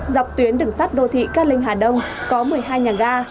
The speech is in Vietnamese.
dọc tuyến đường sắt đô thị cát linh hà đông có một mươi hai nhà ga